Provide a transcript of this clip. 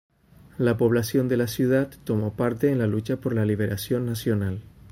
La población de la ciudad tomó parte en la lucha por la liberación nacional.